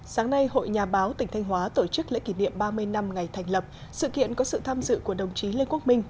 sáng nay hội nhà báo tỉnh thanh hóa tổ chức lễ kỷ niệm ba mươi năm ngày thành lập sự kiện có sự tham dự của đồng chí lê quốc minh